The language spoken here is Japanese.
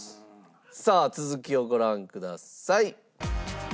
さあ続きをご覧ください。